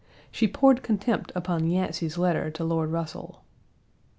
She poured contempt Upon Yancey's letter to Lord Russell.